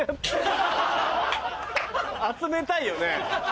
集めたいよね。